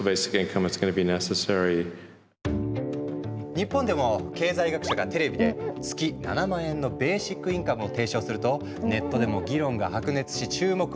日本でも経済学者がテレビで月７万円のベーシックインカムを提唱するとネットでも議論が白熱し注目を集めた。